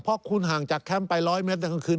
เพราะคุณห่างจากแคมป์ไป๑๐๐เมตรกลางคืน